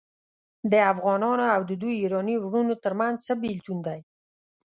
د افغانانو او د دوی ایراني وروڼو ترمنځ څه بیلتون دی.